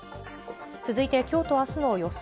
続いて、きょうとあすの予想